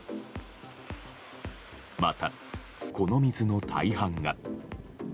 また、この水の大半が。